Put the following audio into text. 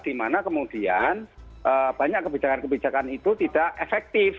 dimana kemudian banyak kebijakan kebijakan itu tidak efektif